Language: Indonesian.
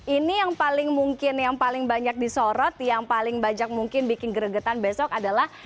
ini yang paling mungkin yang paling banyak disorot yang paling banyak mungkin bikin geregetan besok adalah